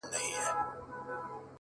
جانانه دغه شانې اور _ په سړي خوله لگوي _